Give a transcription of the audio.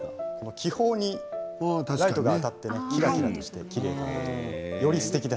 気泡にライトが当たってキラキラしてきれいでよりすてきです。